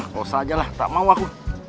kok saja lah tak mau aku